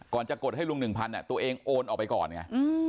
จะกดให้ลุง๑๐๐ตัวเองโอนออกไปก่อนไง